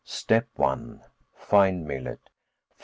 Step one: find Millet.